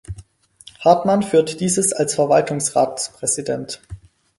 Hartmann führt dieses als Verwaltungsratspräsident.